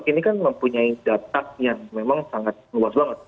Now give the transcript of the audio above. ini kan mempunyai data yang memang sangat luas banget